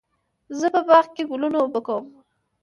زه په باغ کې ګلونه اوبه کوم.